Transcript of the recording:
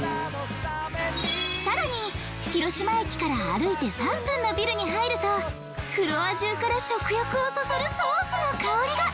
更に広島駅から歩いて３分のビルに入るとフロア中から食欲をそそるソースの香りが！